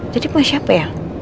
jadi punya siapa ya